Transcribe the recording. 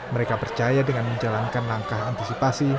mereka percaya dengan menjalankan langkah antisipasi